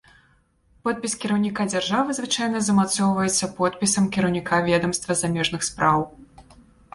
Подпіс кіраўніка дзяржавы звычайна замацоўваецца подпісам кіраўніка ведамства замежных спраў.